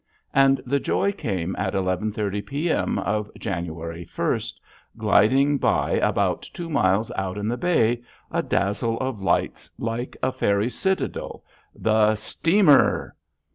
And the joy came at eleven thirty P.M. of January first, gliding by about two miles out in the bay, a dazzle of lights like a fairy citadel, the STEAMER!